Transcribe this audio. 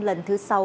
lần thứ sáu